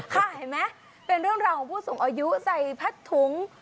ค่ะค่ะเห็นมั้ยเป็นเริ่มราวของผู้สูงอายุใส่พัดถุง